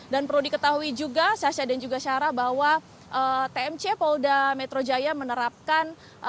dan perlu diketahui juga syasha dan juga syara bahwa tmc polda metro jaya menerapkan